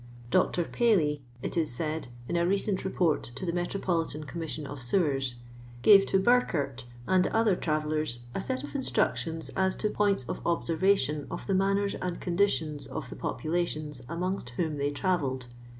" Br. Paley, it is said, in a recent Beport to the Metropolitan Commission of Sewers, "gave to Burckhardt and other travellers a set of instruc tionf as to points of observation of the manners and conditions of the populations amongst whom they travelled.